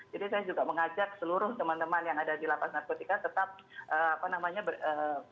jadi saya juga mengajak seluruh teman teman yang ada di lapas narkotika tetap beres